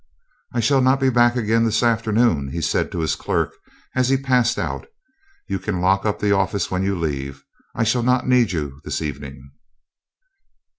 "I shall not be back again this afternoon," he said to his clerk, as he passed out. "You can lock up the office when you leave. I shall not need you this evening."